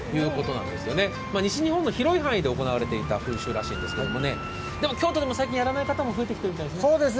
西日本の広い範囲で行われていた風習らしいですけれどもでも京都でも最近やらない方も増えてきているようですね。